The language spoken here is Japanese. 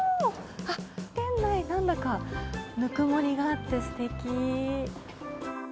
あっ、店内なんだかぬくもりがあってすてき。